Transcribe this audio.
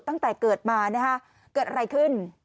ตั้งแต่เกิดมานะฮะเกิดอะไรขึ้น